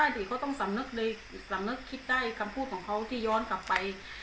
บางทีเค้าต้องสำนึกคิดได้คำพูดของเค้าที่ย้อนกลับไป